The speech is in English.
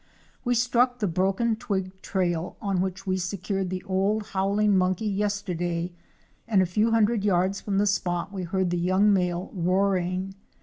We struck the broken twig trail on which we secured the old howling monkey yesterday, and a few hundred yards from the spot we heard the young male roaring.